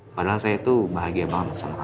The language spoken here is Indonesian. padahal saya tuh bahagia banget sama orang